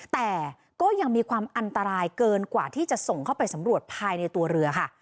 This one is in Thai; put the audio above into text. แต่ก็ยังมีความอันตรายเกินกว่าที่จะส่งเข้าไปสำรวจภายในตัวเรือค่ะ